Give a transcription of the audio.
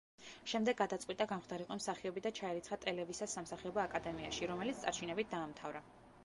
შემდეგ გადაწყვიტა, გამხდარიყო მსახიობი და ჩაირიცხა ტელევისას სამსახიობო აკადემიაში, რომელიც წარჩინებით დაამთავარა.